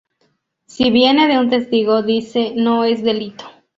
Si viene de un testigo, dice, no es delito.